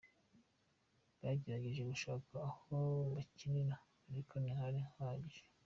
Bagerageje gushaka aho bakinira ariko ntihari hahagije.